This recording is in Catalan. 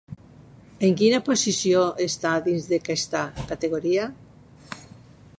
En quina posició està dins d'aquesta categoria?